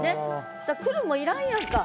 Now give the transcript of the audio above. そしたら「くる」もいらんやんか。